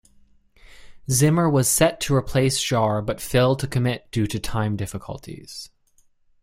Zimmer was set to replace Jarre but failed to commit due to time difficulties.